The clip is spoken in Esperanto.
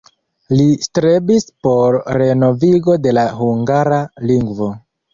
Li strebis por renovigo de la hungara lingvo.